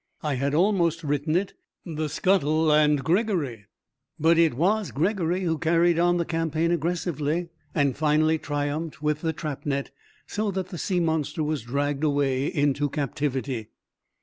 I had almost written it 'The Scuttle and Gregory,' but it was Gregory who carried on the campaign aggressively and finally triumphed with the trap net, so that the sea monster was dragged away into captivity.